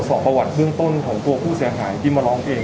สอบประวัติเบื้องต้นของตัวผู้เสียหายที่มาร้องเอง